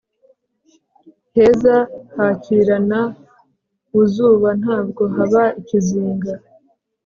heza hakirana buzuba ntabwo haba ikizinga